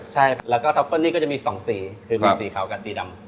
ใช่แล้วก็ท็อปเปิ้นี่ก็จะมี๒สีคือมีสีขาวกับสีดำ